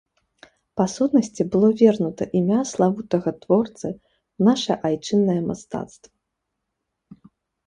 Па сутнасці, было вернута імя славутага творцы ў наша айчыннае мастацтва.